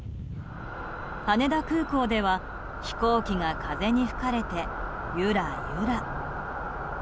羽田空港では飛行機が風に吹かれてゆらゆら。